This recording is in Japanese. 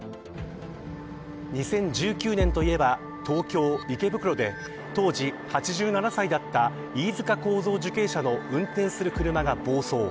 ２０１９年といえば東京、池袋で当時８７歳だった飯塚幸三受刑者の運転する車が暴走。